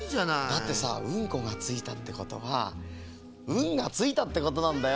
だってさウンコがついたってことはウンがついたってことなんだよ。